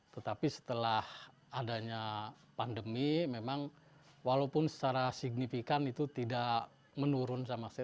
tetapi setelah adanya pandemi memang walaupun secara signifikan itu tidak menurun sama saya